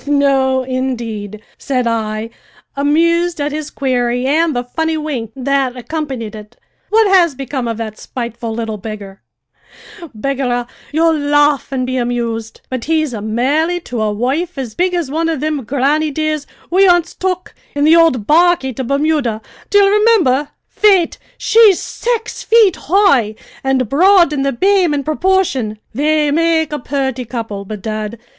"No, indeed," said I, amused at his query and the funny wink that accompanied it. "What has become of that spiteful little beggar?" "Begorrah, ye'll laugh an' be amused, but he's marri'd to a wife as big as one of thim grannydeers we onst took in the ould barquey to Bermuda, d'ye rimimber? Faith, she's saix feet hoigh, an' broad in the b'ame in proporshi'n. They make a purty couple, bedad!